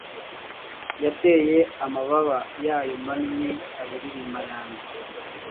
Yateye amababa yayo manini abiri inyuma yanjye